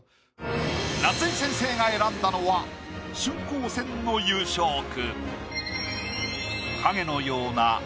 夏井先生が選んだのは春光戦の優勝句。